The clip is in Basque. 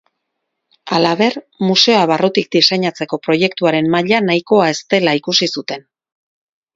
Halaber, museoa barrutik diseinatzeko proiektuaren maila nahikoa ez zela ikusi zuten.